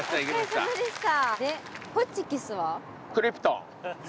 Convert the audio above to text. お疲れさまでした。